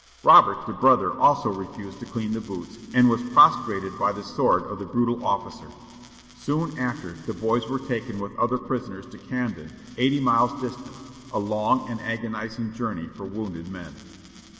Robert, the brother, also refused to clean the boots, and was prostrated by the sword of the brutal officer. Soon after, the boys were taken with other prisoners to Camden, eighty miles distant, a long and agonizing journey for wounded men.